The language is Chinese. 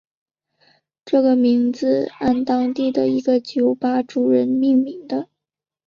这个名字是按当地的一个酒吧主人命名的。